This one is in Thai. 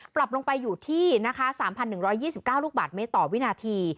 ปรับลงไปอยู่ที่นะคะ๓๑๒๙ลูกบาทเมตรต่อวินาที